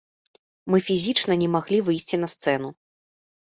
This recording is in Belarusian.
Мы фізічна не маглі выйсці на сцэну.